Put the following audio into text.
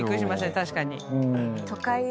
確かに。